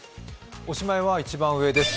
おしまいは一番上です